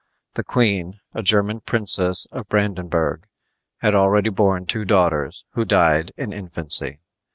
The queen, a German princess of Brandenburg, had already borne two daughters, who died in infancy.